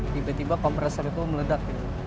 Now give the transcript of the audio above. tiba tiba kompresor itu meledak